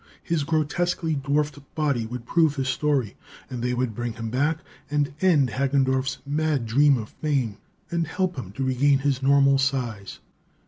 His grotesquely dwarfed body would prove his story, and they would bring him back and end Hagendorff's mad dream of fame, and help him to regain his normal size.